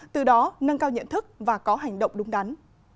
từ đó nâng cao nhận thức và có hành động đúng đắn